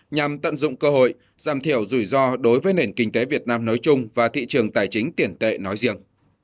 nhằm tận dụng cơ hội giảm thiểu rủi ro đối với nền kinh tế việt nam nói chung và thị trường tài chính tiền tệ nói riêng